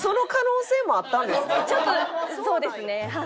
ちょっとそうですねはい。